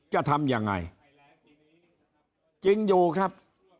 จะทำยังไงจริงอยู่ครับ